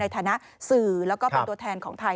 ในฐานะสื่อและปรับตัวแทนของไทย